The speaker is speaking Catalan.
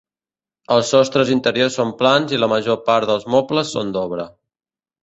Els sostres interiors són plans i la major part dels mobles són d'obra.